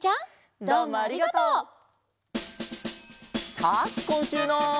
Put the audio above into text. さあこんしゅうの。